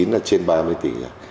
là trên ba mươi tỷ